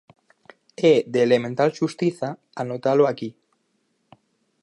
É de elemental xustiza anotalo aquí.